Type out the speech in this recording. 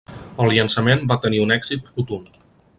El llançament va tenir un èxit rotund.